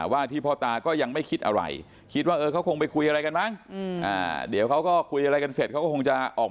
ว่าที่พ่อตาก็ยังไม่คิดอะไรคิดว่าเขาคงไปคุยอะไรกันมั้ง